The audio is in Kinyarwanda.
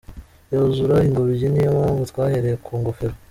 yuzura ingobyi Niyo mpamvu twahereye ku ngofero.